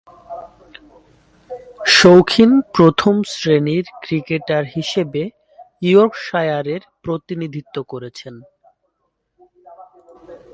শৌখিন প্রথম-শ্রেণীর ক্রিকেটার হিসেবে ইয়র্কশায়ারের প্রতিনিধিত্ব করেছেন।